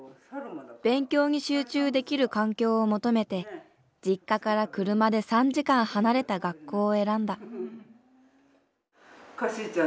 勉強に集中できる環境を求めて実家から車で３時間離れた学校を選んだ。